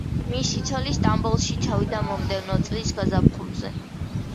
მისი ცოლი სტამბოლში ჩავიდა მომდევნო წლის გაზაფხულზე.